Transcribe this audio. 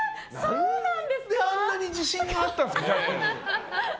何でそんなに自信があったんですか。